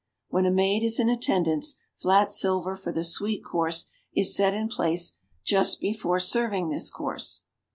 When a maid is in attendance flat silver for the sweet course is set in place just before serving this course.